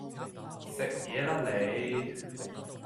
食野啦你